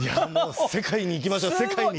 世界に行きましょう世界に。